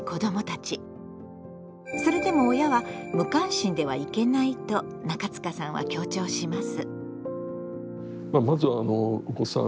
それでも親は無関心ではいけないと中塚さんは強調します。